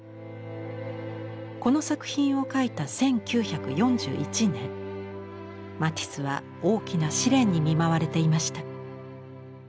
この作品を描いた１９４１年マティスは大きな試練に見舞われていました。